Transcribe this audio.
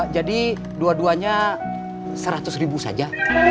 jadi dua duanya seratus ribu saja